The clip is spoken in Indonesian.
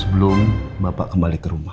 sebelum bapak kembali ke rumah